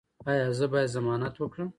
ایا زه باید ضمانت وکړم؟